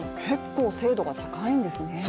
結構、精度が高いんですね。